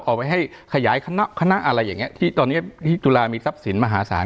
เอาไว้ให้ขยายคณะอะไรอย่างนี้ที่ตอนนี้ที่จุฬามีทรัพย์สินมหาศาล